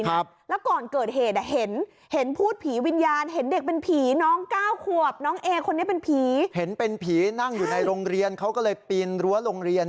เพราะฉะนั้นเขาก็เลยปีนรั้วโรงเรียน